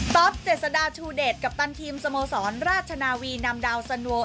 ตอปเจษฎาทูเดตกัปตันทีมสโมสรราชนาวีนำดาวสนวอล